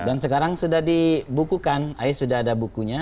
dan sekarang sudah dibukukan ais sudah ada bukunya